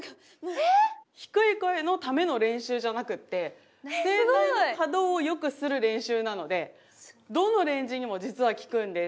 ええ⁉低い声のための練習じゃなくって声帯の可動を良くする練習なのでどのレンジにも実は効くんです。